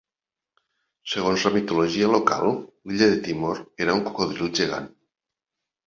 Segons la mitologia local, l'illa de Timor era un cocodril gegant.